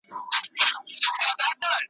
همېشه وي ګنډکپانو غولولی .